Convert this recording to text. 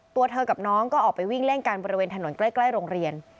ตัวเธอกับน้องก็ออกไปวิ่งเล่นกันบริเวณถนนใกล้โรงเรียน